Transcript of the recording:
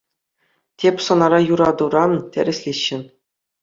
Тӗп сӑнара юратура тӗрӗслеҫҫӗ...